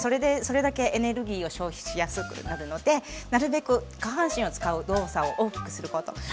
それだけエネルギーを消費しやすくなるのでなるべく下半身を使う動作を大きくすること。